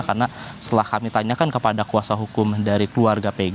karena setelah kami tanyakan kepada kuasa hukum dari keluarga pg